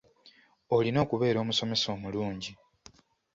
Olina okubeera omusomesa omulungi.